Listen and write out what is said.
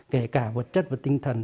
kể cả vật chất và tinh thần